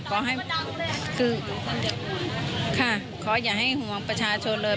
ขออย่าให้ห่วงประชาชนเลย